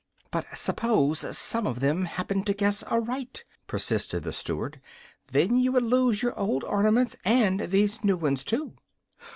"But suppose some of them happen to guess aright," persisted the Steward; "then you would lose your old ornaments and these new ones, too."